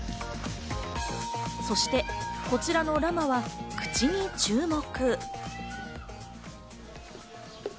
そしてこちらのラマは、口に注目。